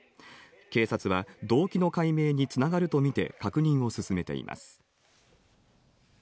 警察は動機の解明に繋がるとみて確認を進めています。